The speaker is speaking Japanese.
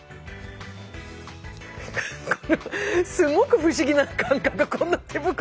これすごく不思議な感覚この手袋。